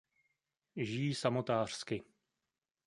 Žijí samotářsky.